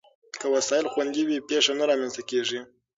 که وسایل خوندي وي، پېښه نه رامنځته کېږي.